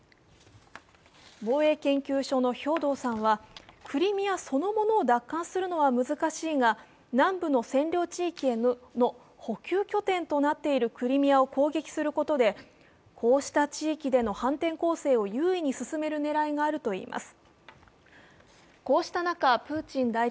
防衛研究所の兵頭さんはクリミアそのものを奪還するのは難しいが、南部の占領地域への補給拠点となっているクリミアを攻撃することで、こうした地域での反転攻勢を優位に進める狙いがあるといいます。